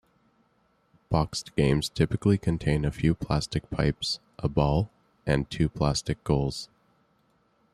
Boxed games typically contain a few plastic pipes, a ball, and two plastic goals.